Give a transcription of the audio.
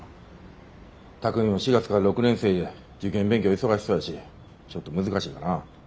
巧海も４月から６年生で受験勉強忙しそうやしちょっと難しいかなあ。